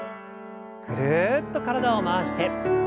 ぐるっと体を回して。